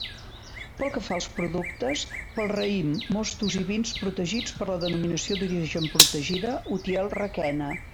Pel que fa als productes, pel raïm, mostos i vins protegits per la Denominació d'Origen Protegida Utiel-Requena.